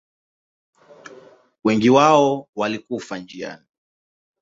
Wengi wao walikufa njiani.